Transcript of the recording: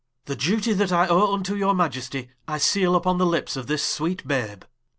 The duty that I owe vnto your Maiesty, I Seale vpon the lips of this sweet Babe Cla.